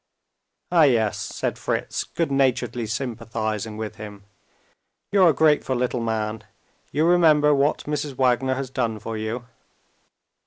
"Ah, yes," said Fritz, good naturedly sympathizing with him. "You're a grateful little man; you remember what Mrs. Wagner has done for you."